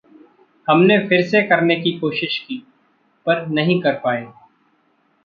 हमने फिरसे करने की कोशीश की, पर नहीं कर पाए।